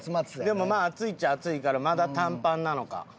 でもまあ暑いっちゃ暑いからまだ短パンなのか。